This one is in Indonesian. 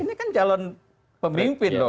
ini kan calon pemimpin loh ya